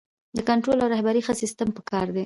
د کنټرول او رهبرۍ ښه سیستم پکار دی.